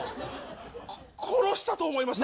殺したと思いました？